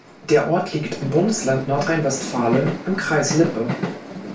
Der Ort liegt im Bundesland Nordrhein-Westfalen im Kreis Lippe.